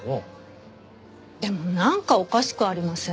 でもなんかおかしくありません？